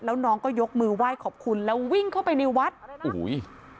แล้วน้องก็ยกมือไหว้ขอบคุณแล้ววิ่งเข้าไปในวัดโอ้โห